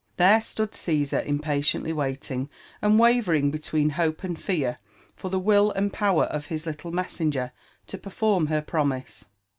There stood Csbsv impatiently waiting, aikd wavering between hope and fear for the will and power of his little messenger to perform her premise.